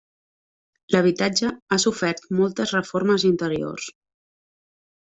L'habitatge ha sofert moltes reformes interiors.